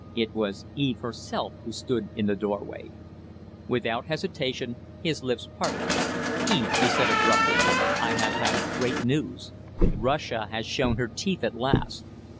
It was Eve herself who stood in the doorway. Without hesitation his lips parted. "Eve," he said, abruptly, "I have had great news! Russia has shown her teeth at last.